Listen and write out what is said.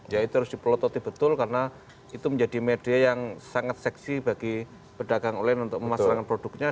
ya itu harus dipelototi betul karena itu menjadi media yang sangat seksi bagi pedagang online untuk memasarkan produknya